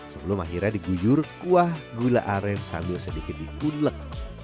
sebelum akhirnya diguyur kuah gula aren sambil sedikit dikunlet